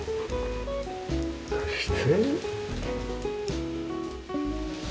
そして。